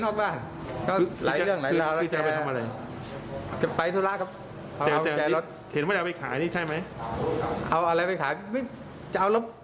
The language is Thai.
เอาอะไรไปขายเอารถมาแหละครับเอารถไปขาย